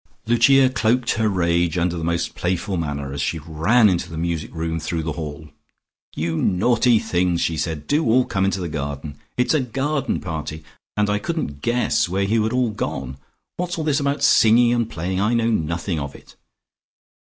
Lucia cloaked her rage under the most playful manner, as she ran into the music room through the hall. "You naughty things!" she said. "Do all come into the garden! It's a garden party, and I couldn't guess where you had all gone. What's all this about singing and playing? I know nothing of it."